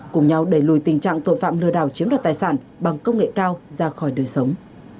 cùng nhau đẩy lùi tình trạng tội phạm lừa đảo chiếm đoạt tài sản bằng công nghệ cao ra khỏi đời sống